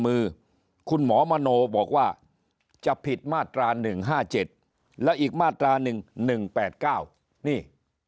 มือคุณหมอมโนบอกว่าจะผิดมาตรา๑๕๗และอีกมาตรา๑๑๘๙นี่